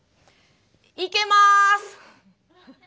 いけます。